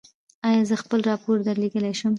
ایا زه خپل راپور درلیږلی شم؟